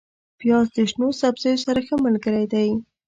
پیاز د شنو سبزیو سره ښه ملګری دی